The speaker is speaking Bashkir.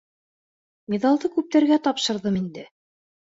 Миҙалды күптәргә тапшырҙым инде.